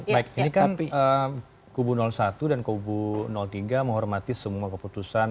baik ini kan kubu satu dan kubu tiga menghormati semua keputusan